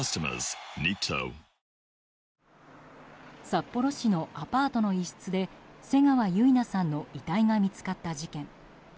札幌市のアパートの一室で瀬川結菜さんの遺体が見つかった事件。